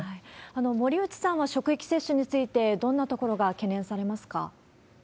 森内さんは、職域接種についてどんなところが懸念されますか？